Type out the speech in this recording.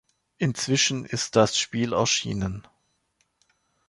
Inzwischen ist das Spiel erschienen.